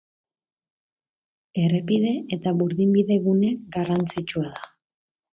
Errepide eta burdinbide gune garrantzitsua da.